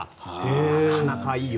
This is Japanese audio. なかなかいいよ。